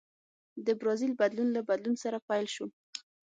د برازیل بدلون له بدلون سره پیل شو.